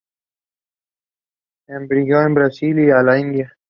Emigró a Brasil y a la India.